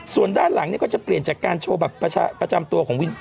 ส่วนด้านหลังเนี่ยก็จะเปลี่ยนจากการโชว์บัตรประจำตัวของวิน